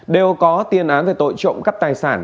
đều có tiên án về tội trộm cấp tài sản